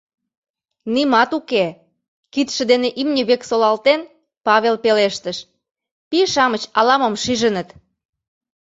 — Нимат уке, — кидше дене имне век солалтен, Павел пелештыш, — пий-шамыч ала-мом шижыныт.